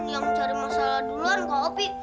yang cari masalah duluan kak opi